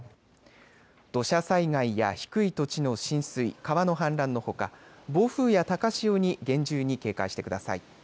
土砂災害や低い土地の浸水川の氾濫のほか暴風や高潮に厳重に警戒してください。